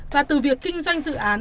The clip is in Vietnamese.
và từ việc kinh doanh dự án